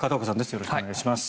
よろしくお願いします。